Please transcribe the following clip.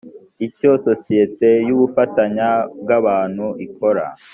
icyo isosiyete y’ubufatanye bw’abantu ikora